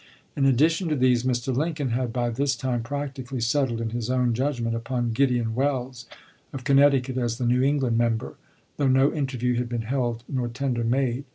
In addition to these, Mr. Lincoln had by this time practically settled in his own judgment upon Gideon Welles, of Connecticut, as the New Eng land member, though no interview had been held nor tender made.